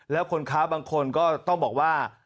แล้วคนค้าบางคนก็ต้องบอกว่า